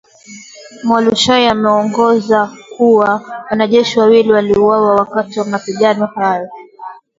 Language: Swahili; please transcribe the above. Mualushayi ameongeza kuwa, wanajeshi wawili waliuawa wakati wa mapigano hayo.